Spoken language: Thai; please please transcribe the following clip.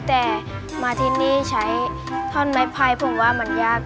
แต่มาที่นี่ใช้ท่อนไม้ไผ่ผมว่ามันยาก